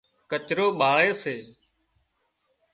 ڪچرو ٻاۯي سي